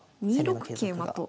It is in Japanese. ２六桂馬と。